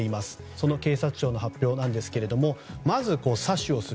その警察庁の発表ですがまず詐取をする。